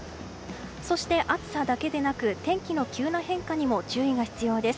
そして、暑さだけでなく天気の急な変化にも注意が必要です。